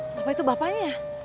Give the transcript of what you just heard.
bapak itu bapaknya ya